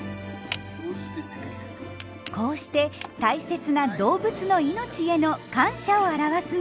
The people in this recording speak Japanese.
こうして大切な動物の命への感謝を表すんです。